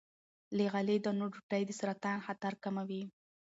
له غلې- دانو ډوډۍ د سرطان خطر کموي.